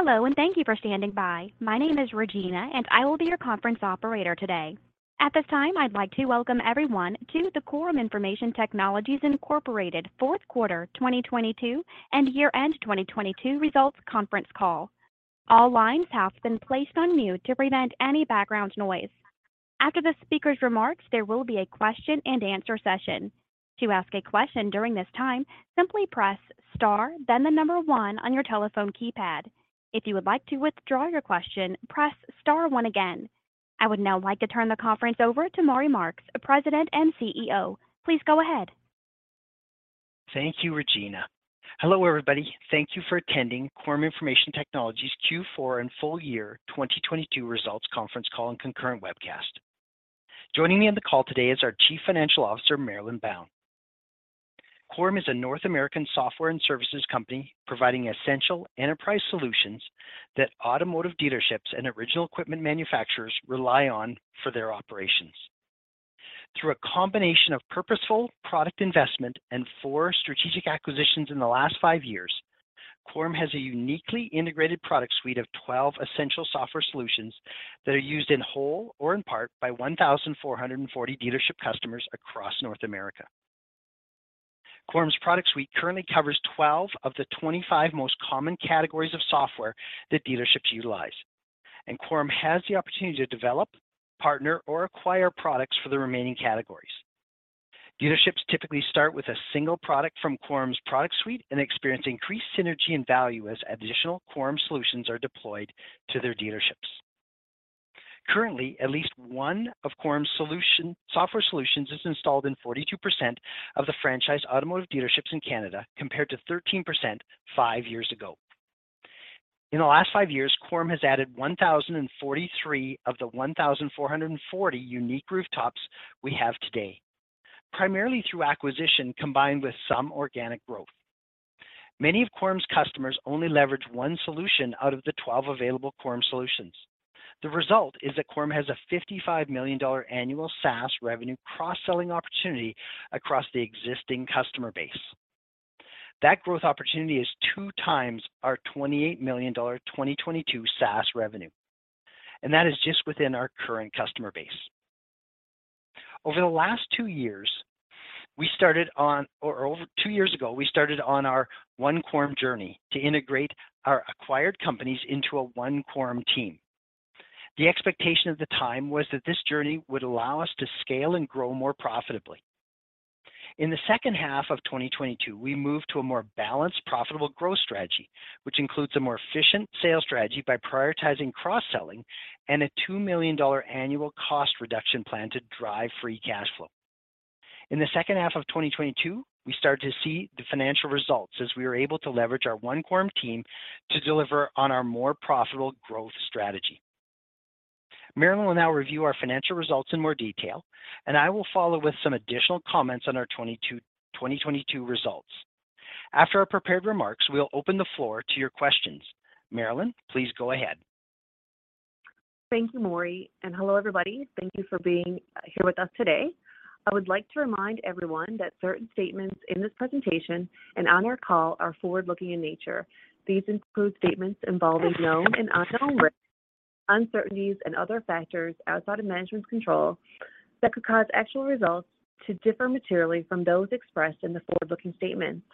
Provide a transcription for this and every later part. Hello. Thank you for standing by. My name is Regina, and I will be your conference operator today. At this time, I'd like to welcome everyone to the Quorum Information Technologies Inc. Q4 2022 and Year-End 2022 Results Conference Call. All lines have been placed on mute to prevent any background noise. After the speaker's remarks, there will be a question-and-answer session. To ask a question during this time, simply press star, then the number one on your telephone keypad. If you would like to withdraw your question, press star one again. I would now like to turn the conference over to Maury Marks, President and CEO. Please go ahead. Thank you, Regina. Hello, everybody. Thank you for attending Quorum Information Technologies' Q4 and full year 2022 results conference call and concurrent webcast. Joining me on the call today is our Chief Financial Officer, Marilyn Bown. Quorum is a North American software and services company providing essential enterprise solutions that automotive dealerships and original equipment manufacturers rely on for their operations. Through a combination of purposeful product investment and 4 strategic acquisitions in the last 5 years, Quorum has a uniquely integrated product suite of 12 essential software solutions that are used in whole or in part by 1,440 dealership customers across North America. Quorum's product suite currently covers 12 of the 25 most common categories of software that dealerships utilize. Quorum has the opportunity to develop, partner, or acquire products for the remaining categories. Dealerships typically start with a single product from Quorum's product suite and experience increased synergy and value as additional Quorum solutions are deployed to their dealerships. Currently, at least one of Quorum's software solutions is installed in 42% of the franchise automotive dealerships in Canada, compared to 13% five years ago. In the last five years, Quorum has added 1,043 of the 1,440 unique rooftops we have today, primarily through acquisition, combined with some organic growth. Many of Quorum's customers only leverage one solution out of the 12 available Quorum solutions. The result is that Quorum has a 55 million dollar annual SaaS revenue cross-selling opportunity across the existing customer base. That growth opportunity is two times our 28 million dollar 2022 SaaS revenue, that is just within our current customer base. Over the last 2 years, or over 2 years ago, we started on our One Quorum journey to integrate our acquired companies into a One Quorum team. The expectation at the time was that this journey would allow us to scale and grow more profitably. In the second half of 2022, we moved to a more balanced, profitable growth strategy, which includes a more efficient sales strategy by prioritizing cross-selling and a 2 million dollar annual cost reduction plan to drive free cash flow. In the second half of 2022, we started to see the financial results as we were able to leverage our One Quorum team to deliver on our more profitable growth strategy. Marilyn will now review our financial results in more detail, and I will follow with some additional comments on our 2022 results. After our prepared remarks, we'll open the floor to your questions. Marilyn, please go ahead. Thank you, Maury, and hello, everybody. Thank you for being here with us today. I would like to remind everyone that certain statements in this presentation and on our call are forward-looking in nature. These include statements involving known and unknown risks, uncertainties and other factors outside of management's control that could cause actual results to differ materially from those expressed in the forward-looking statements.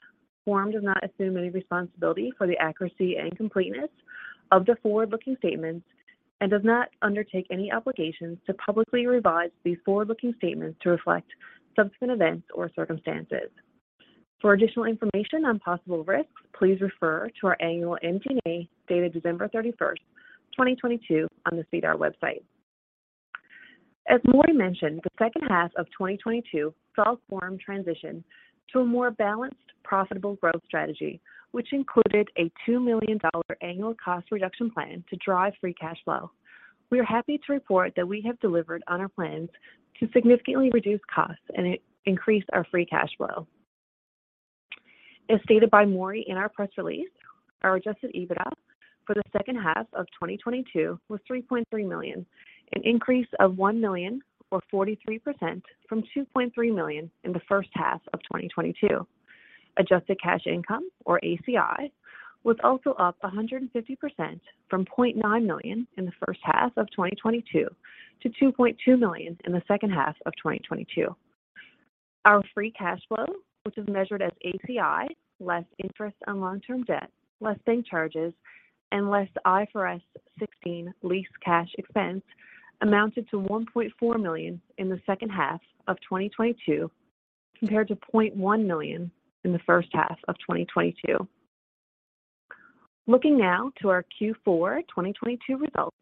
Quorum does not assume any responsibility for the accuracy and completeness of the forward-looking statements and does not undertake any obligations to publicly revise these forward-looking statements to reflect subsequent events or circumstances. For additional information on possible risks, please refer to our annual MD&A dated December 31st, 2022 on the SEDAR website. As Maury mentioned, the second half of 2022 saw Quorum transition to a more balanced, profitable growth strategy, which included a 2 million dollar annual cost reduction plan to drive free cash flow. We are happy to report that we have delivered on our plans to significantly reduce costs and increase our free cash flow. As stated by Maury in our press release, our adjusted EBITDA for the second half of 2022 was 3.3 million, an increase of 1 million or 43% from 2.3 million in the first half of 2022. Adjusted cash income or ACI was also up 150% from 0.9 million in the first half of 2022 to 2.2 million in the second half of 2022. Our free cash flow, which is measured as ACI, less interest on long-term debt, less than charges, and less IFRS 16 lease cash expense amounted to 1.4 million in the second half of 2022, compared to 0.1 million in the first half of 2022. Looking now to our Q4 2022 results,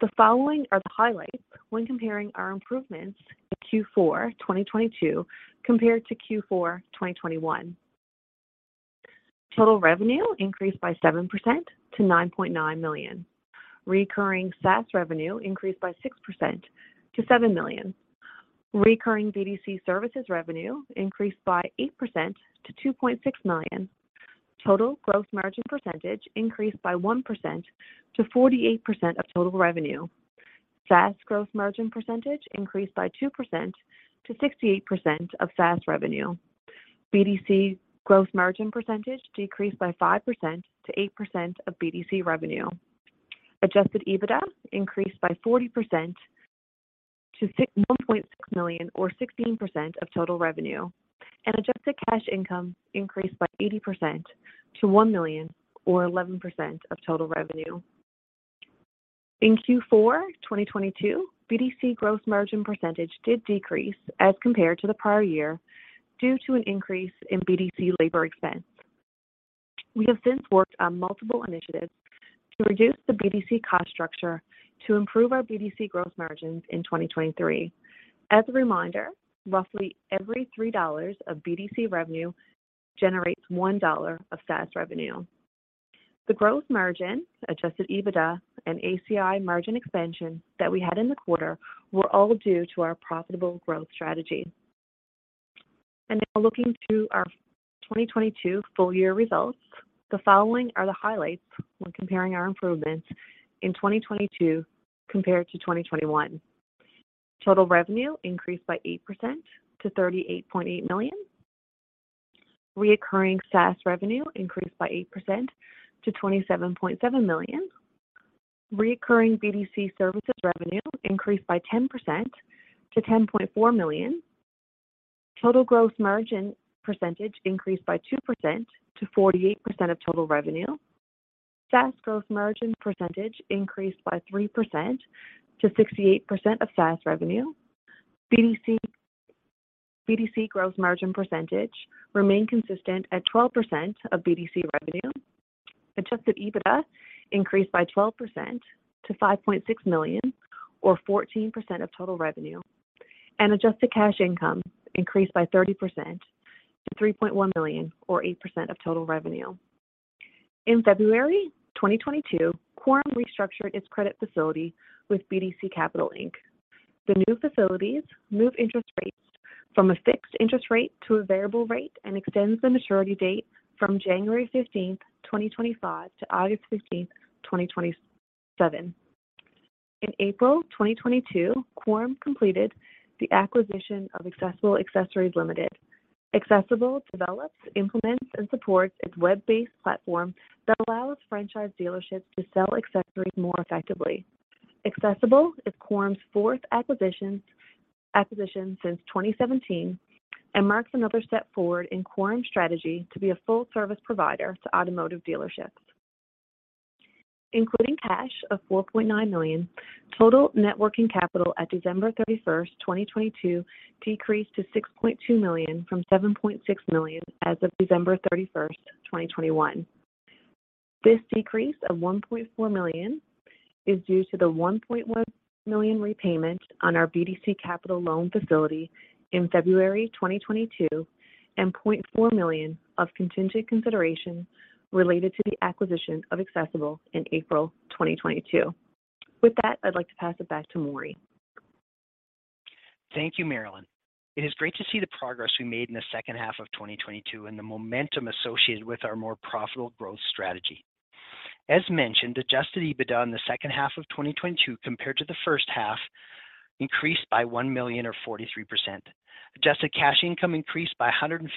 the following are the highlights when comparing our improvements in Q4 2022 compared to Q4 2021. Total revenue increased by 7% to 9.9 million. Recurring SaaS revenue increased by 6% to 7 million. Recurring BDC services revenue increased by 8% to 2.6 million. Total growth margin percentage increased by 1% to 48% of total revenue. SaaS growth margin percentage increased by 2% to 68% of SaaS revenue. BDC growth margin percentage decreased by 5% to 8% of BDC revenue. Adjusted EBITDA increased by 40% to 1.6 million or 16% of total revenue. Adjusted cash income increased by 80% to 1 million or 11% of total revenue. In Q4 2022, BDC growth margin % did decrease as compared to the prior year due to an increase in BDC labor expense. We have since worked on multiple initiatives to reduce the BDC cost structure to improve our BDC growth margins in 2023. As a reminder, roughly every 3 dollars of BDC revenue generates 1 dollar of SaaS revenue. The growth margin, Adjusted EBITDA, and ACI margin expansion that we had in the quarter were all due to our profitable growth strategy. Now looking to our 2022 full year results, the following are the highlights when comparing our improvements in 2022 compared to 2021. Total revenue increased by 8% to 38.8 million. Reoccurring SaaS revenue increased by 8% to 27.7 million. Reoccurring BDC services revenue increased by 10% to 10.4 million. Total gross margin percentage increased by 2% to 48% of total revenue. SaaS gross margin percentage increased by 3% to 68% of SaaS revenue. BDC gross margin percentage remained consistent at 12% of BDC revenue. Adjusted EBITDA increased by 12% to 5.6 million or 14% of total revenue. Adjusted cash income increased by 30% to 3.1 million or 8% of total revenue. In February 2022, Quorum restructured its credit facility with BDC Capital Inc. The new facilities move interest rates from a fixed interest rate to a variable rate and extends the maturity date from January 15th, 2025 to August 15th, 2027. In April 2022, Quorum completed the acquisition of Accessible Accessories Ltd. Accessible develops, implements, and supports its web-based platform that allows franchise dealerships to sell accessories more effectively. Accessible is Quorum's 4th acquisition since 2017 and marks another step forward in Quorum's strategy to be a full service provider to automotive dealerships. Including cash of 4.9 million, total net working capital at December 31st, 2022 decreased to 6.2 million from 7.6 million as of December 31st, 2021. This decrease of 1.4 million is due to the 1.1 million repayment on our BDC Capital loan facility in February 2022 and 0.4 million of contingent consideration related to the acquisition of Accessible in April 2022. I'd like to pass it back to Maury. Thank you, Marilyn. It is great to see the progress we made in the second half of 2022 and the momentum associated with our more profitable growth strategy. As mentioned, adjusted EBITDA in the second half of 2022 compared to the first half increased by 1 million or 43%. Free cash flow increased by 150%,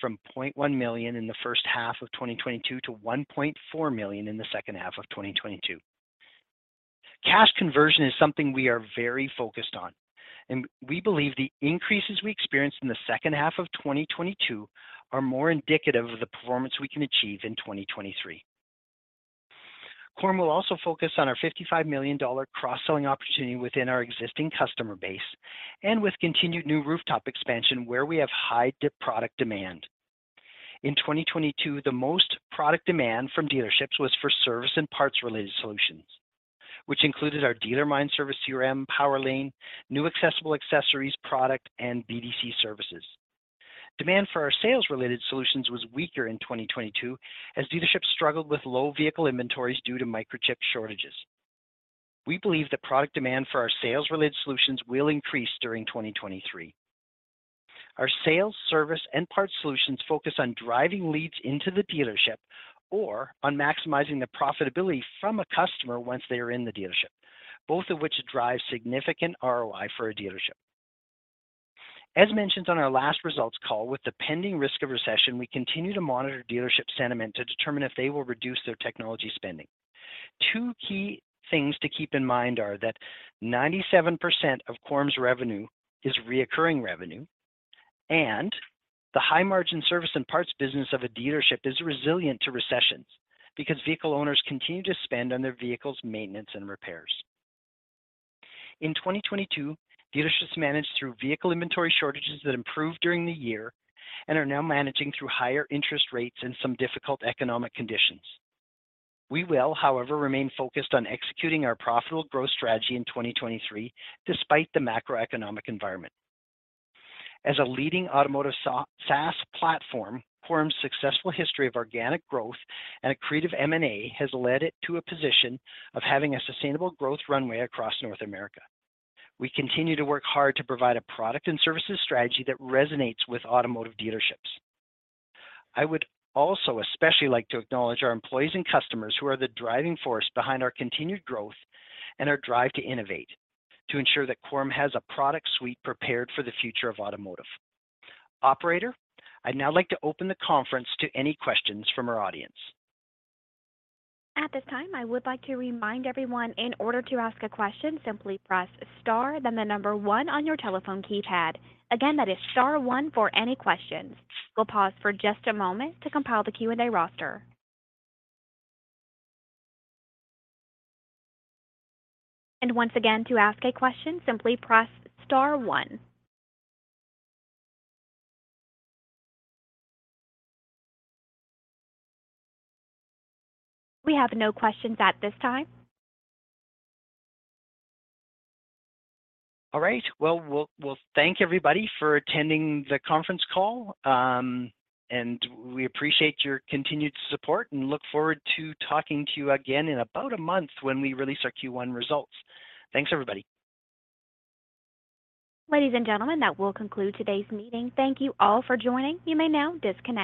from 0.1 million in the first half of 2022 to 1.4 million in the second half of 2022. Cash conversion is something we are very focused on. We believe the increases we experienced in the second half of 2022 are more indicative of the performance we can achieve in 2023. Quorum will also focus on our 55 million dollar cross-selling opportunity within our existing customer base and with continued new rooftop expansion where we have high product demand. In 2022, the most product demand from dealerships was for service and parts related solutions, which included our DealerMine service CRM, PowerLane, new Accessible Accessories product, and BDC services. Demand for our sales-related solutions was weaker in 2022 as dealerships struggled with low vehicle inventories due to microchip shortages. We believe the product demand for our sales-related solutions will increase during 2023. Our sales, service, and parts solutions focus on driving leads into the dealership or on maximizing the profitability from a customer once they are in the dealership, both of which drive significant ROI for a dealership. As mentioned on our last results call, with the pending risk of recession, we continue to monitor dealership sentiment to determine if they will reduce their technology spending. Two key things to keep in mind are that 97% of Quorum's revenue is reoccurring revenue, and the high margin service and parts business of a dealership is resilient to recessions because vehicle owners continue to spend on their vehicle's maintenance and repairs. In 2022, dealerships managed through vehicle inventory shortages that improved during the year and are now managing through higher interest rates and some difficult economic conditions. We will, however, remain focused on executing our profitable growth strategy in 2023 despite the macroeconomic environment. As a leading automotive SaaS platform, Quorum's successful history of organic growth and creative M&A has led it to a position of having a sustainable growth runway across North America. We continue to work hard to provide a product and services strategy that resonates with automotive dealerships. I would also especially like to acknowledge our employees and customers who are the driving force behind our continued growth and our drive to innovate to ensure that Quorum has a product suite prepared for the future of automotive. Operator, I'd now like to open the conference to any questions from our audience. At this time, I would like to remind everyone in order to ask a question, simply press star then the number one on your telephone keypad. Again, that is star one for any questions. We'll pause for just a moment to compile the Q&A roster. Once again, to ask a question, simply press star 1. We have no questions at this time. All right. Well, we'll thank everybody for attending the conference call, and we appreciate your continued support and look forward to talking to you again in about a month when we release our Q1 results. Thanks, everybody. Ladies and gentlemen, that will conclude today's meeting. Thank you all for joining. You may now disconnect.